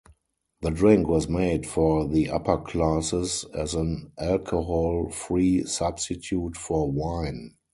The drink was made for the upper classes as an alcohol-free substitute for wine.